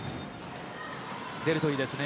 出るといいですね